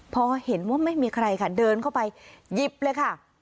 พอเห็นว่าไม่มีใครค่ะเดินเข้าไปหยิบเลยค่ะ